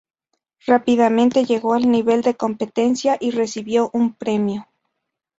Rápidamente llegó al nivel de competencia y recibió un premio.